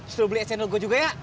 silahkan beli snl gua juga ya